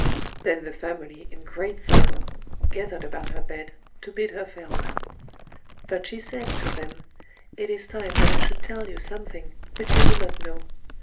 Then the family, in great sorrow, gathered about her bed, to bid her farewell. But she said to them:— "It is time that I should tell you something which you do not know.